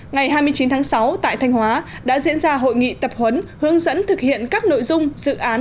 ngày hai mươi chín tháng sáu tại thanh hóa đã diễn ra hội nghị tập huấn hướng dẫn thực hiện các nội dung dự án